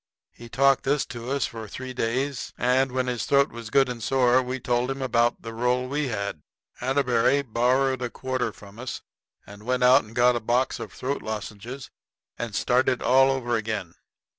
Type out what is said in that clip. He talked this to us for three days, and when his throat was good and sore we told him about the roll we had. Atterbury borrowed a quarter from us and went out and got a box of throat lozenges and started all over again.